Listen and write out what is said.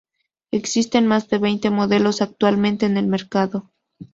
Existen más de veinte modelos actualmente en el mercado.